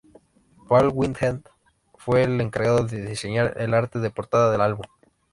Paul Whitehead fue el encargado de diseñar el arte de portada del álbum.